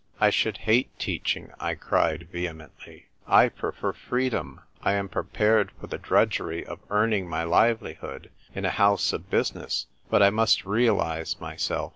" I should hate teaching !" I cried vehe mently, " I prefer freedom. I am prepared for th<: drudgery of earning my livelihood in a house of business. But I must realise myself."